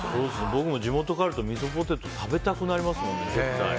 僕も地元に帰ると、みそポテト食べたくなりますもんね、絶対。